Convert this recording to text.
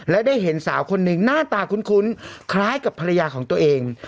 และได้เห็นสาวคนหนึ่งหน้าตาคุ้นคล้ายกับภรรยาของตัวเอง